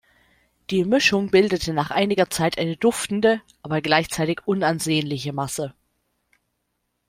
Die Mischung bildete nach einiger Zeit eine duftende, aber gleichzeitig unansehnliche Masse.